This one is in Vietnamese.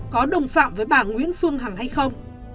có đồng phạm với bà nguyễn phương hằng hay không